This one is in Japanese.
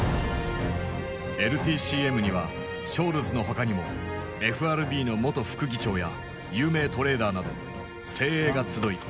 ＬＴＣＭにはショールズの他にもＦＲＢの元副議長や有名トレーダーなど精鋭が集い